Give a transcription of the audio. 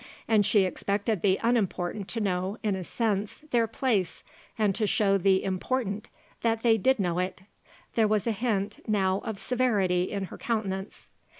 And she expected the unimportant to know, in a sense, their place and to show the important that they did know it. There was a hint, now, of severity, in her countenance.